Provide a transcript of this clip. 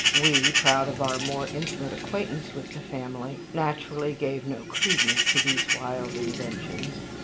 We, proud of our more intimate acquaintance with the family, naturally gave no credence to these wild inventions.